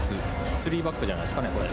スリーバックじゃないですかね、これ。